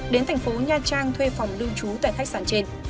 đến thành phố nha trang thuê phòng lưu trú tại khách sạn trên